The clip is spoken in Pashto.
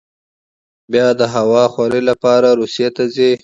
بیا د هوا خورۍ لپاره روسیې ته ځي.